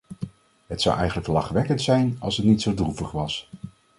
Het zou eigenlijk lachwekkend zijn als het niet zo droevig was.